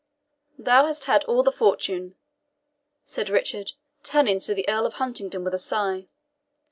"Thou hast had all the fortune," said Richard, turning to the Earl of Huntingdon with a sigh.